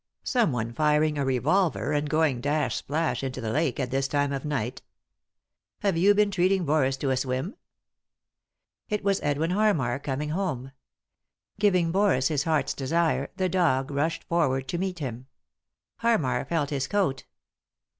Someone firing a revolve*, and going dash splash into the lake, at this time of night Have yon been treating Boris to a It was Edwin Hannar, coming home. Giving Boris his heart's desire, the dog rushed forward to meet him. Harmar felt his coat.